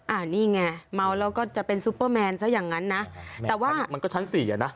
อันนี้ไงเมาแล้วก็จะเป็นซุปเปอร์แมนซะอย่างนั้นนะแต่ว่ามันก็ชั้นสี่อ่ะนะ